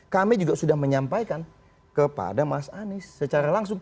kami juga sudah menyampaikan kepada mas anies secara langsung